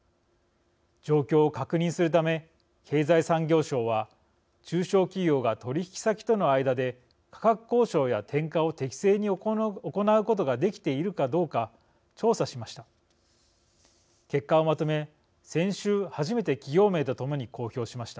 状況を確認するため経済産業省は、中小企業が取引先との間で価格交渉や転嫁を適正に行うことができているかどうか調査しました。